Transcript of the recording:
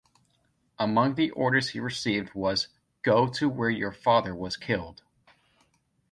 Among the orders he received was "go to where your father was killed".